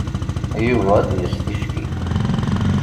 Yuba ad d-yas ticki.